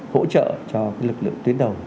hỗ trợ cho lực lượng tuyến đầu